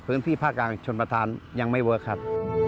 พื้นที่ภาคกลางชนประธานยังไม่เวิร์คครับ